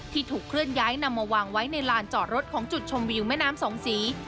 ที่ถูกเคลื่อนย้ายนำมาวางไว้ในลานจอดรถของจุดชมวิวแม่น้ำสองสี